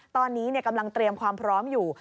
ตอนนี้กำลังเตรียมความพร้อมอยู่